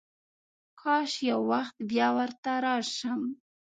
کاش یو وخت بیا ورته راشم.